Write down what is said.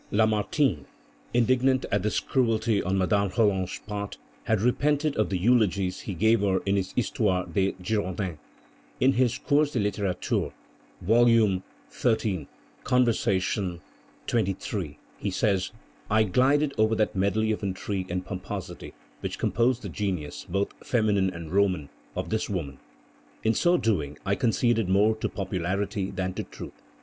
Lamartine, indignant at this cruelty on Madame Roland's part, has repented of the eulogies he gave her in his Histoire des Girondins. In his Cours de Littérature (Volume XIII. Conversation XXIII.), he says: "I glided over that medley of intrigue and pomposity which composed the genius, both feminine and Roman, of this woman. In so doing, I conceded more to popularity than to truth.